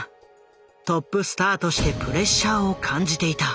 トップスターとしてプレッシャーを感じていた。